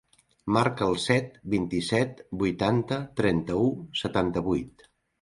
Marca el set, vint-i-set, vuitanta, trenta-u, setanta-vuit.